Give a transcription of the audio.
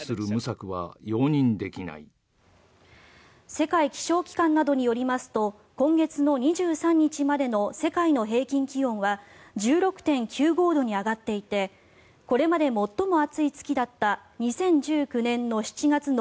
世界気象機関などによりますと今月の２３日までの世界の平均気温は１６．９５度に上がっていてこれまで最も暑い月だった２０１９年の７月の